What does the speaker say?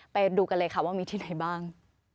ไปดูกันเลยค่ะว่ามีที่ไหนบ้าง